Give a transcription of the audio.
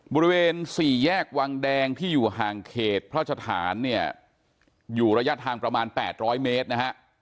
บริเวณ๔แยกวังแดงที่อยู่ห่างเขตพระสถานเนี่ยอยู่ระยะทางประมาณ๘๐๐เมตรนะฮะ